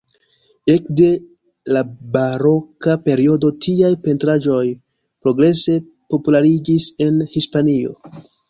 Ekde la baroka periodo, tiaj pentraĵoj progrese populariĝis en Hispanio.